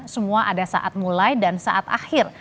semua ada saat mulai dan saat akhir